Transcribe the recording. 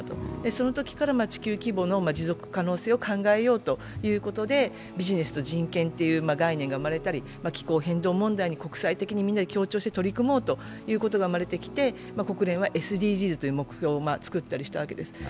そのときから地球規模の持続可能性を考えようということでビジネスと人権という概念が生まれたり気候変動問題に国際的にみんなで協調して取り組もうということが、生まれてきて国連はＳＤＧｓという目標を作ったりしたわけです。